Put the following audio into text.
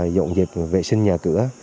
dọn dẹp vệ sinh nhà cửa